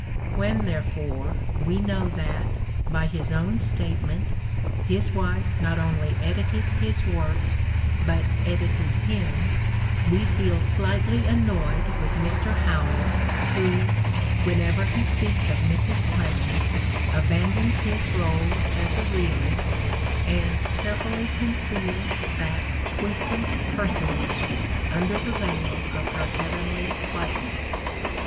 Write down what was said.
When, there fore, we know that, by his own statement, his wife not only edited his works but edited him, we feel slightly annoyed with Mr. Howells who, whenever he speaks of Mrs. Clemens, abandons his role as a realist and care fully conceals that puissant personage under the veil of "her heavenly whiteness."